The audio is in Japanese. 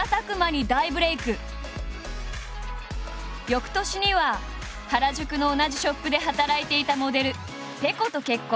翌年には原宿の同じショップで働いていたモデル「ぺこ」と結婚。